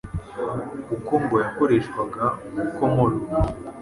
kuko ngo yakoreshwaga mu komora,